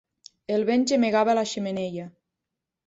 El vent gemegava a la xemeneia.